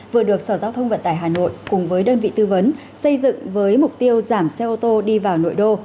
vừa được sở giao thông vận tải hà nội cùng với đơn vị tư vấn xây dựng với mục tiêu giảm xe ô tô đi vào nội đô